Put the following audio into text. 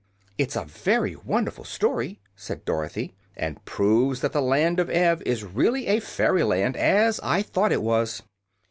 "It's a very wonderful story," said Dorothy, "and proves that the Land of Ev is really a fairy land, as I thought it was."